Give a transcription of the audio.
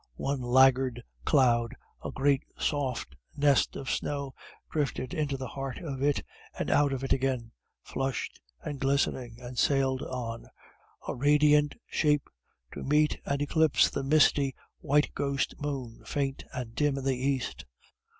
One laggard cloud, a great, soft nest of snow, drifted into the heart of it, and out of it again, flushed and glistering, and sailed on, a radiant shape, to meet and eclipse the misty white ghost moon, faint and dim in the east.